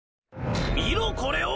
見ろこれを！